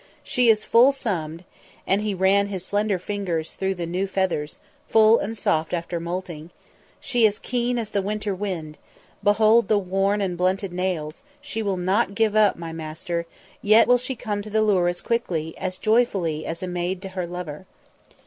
She is full summed" and he ran his slender fingers through the new feathers, full and soft after moulting; "she is keen as the winter wind behold the worn and blunted nails; she will not give up, my master, yet will she come to the lure as quickly, as joyfully as a maid to her lover."